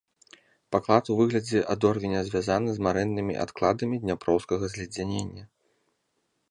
Паклад у выглядзе адорвеня звязаны з марэннымі адкладамі дняпроўскага зледзянення.